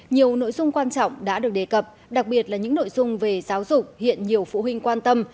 nhiều nội dung quan trọng đã được đề cập đặc biệt là những nội dung về giáo dục hiện nhiều phụ huynh quan tâm